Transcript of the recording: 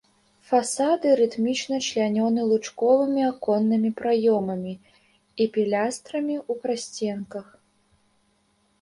Фасады рытмічна члянёны лучковымі аконнымі праёмамі і пілястрамі ў прасценках.